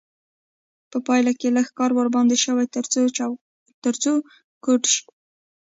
په پایله کې لږ کار ورباندې شوی تر څو کوټ شي.